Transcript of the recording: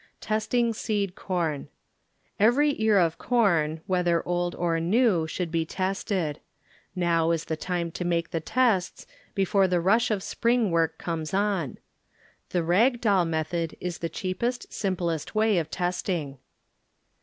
Testing Seed Com Every ear of com, whether old or new, should be tested. Now is the time to make the tests before the rush of spring work comes on. The "rag doll" method is the cheapest, simplest way of testing.